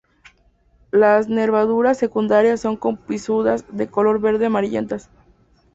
Las nervaduras secundarias son conspicuas de color verde amarillentas.